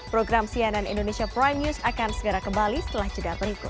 program cnn indonesia prime news akan segera kembali setelah jeda berikut